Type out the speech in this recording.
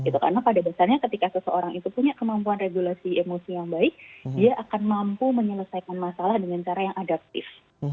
karena pada dasarnya ketika seseorang itu punya kemampuan regulasi emosi yang baik dia akan mampu menyelesaikan masalah dengan cara yang adaptif